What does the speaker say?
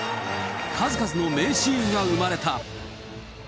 数々の名シーンが生まれた。